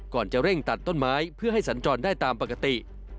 ก่อนจะเร่งตัดต้นไม้เพื่อให้สัญจรได้ตามปกติ